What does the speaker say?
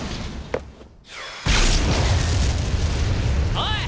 おい！